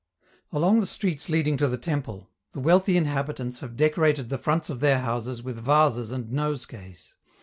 Along the streets leading to the temple, the wealthy inhabitants have decorated the fronts of their houses with vases and nosegays.